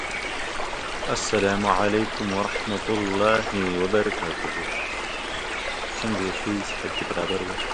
He is the only American yet admitted into the Hall as a player.